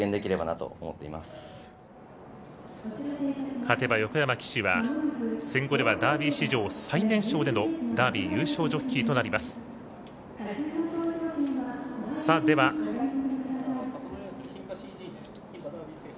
勝てば横山騎手は戦後ではダービー史上最年少でのダービー優勝ジョッキーとなります。